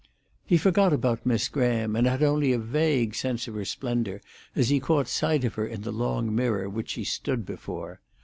He forgot about Miss Graham, and had only a vague sense of her splendour as he caught sight of her in the long mirror which she stood before.